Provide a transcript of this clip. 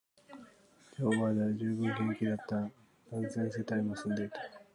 でも、まだ充分現役だった、何千世帯も住んでいた